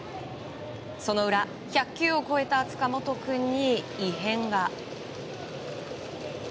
その裏、１００球を超えた塚本君に異変が。